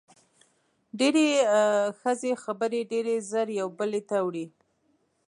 ډېری ښځې خبرې ډېرې زر یوې بلې ته وړي.